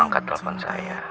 untuk menemani saya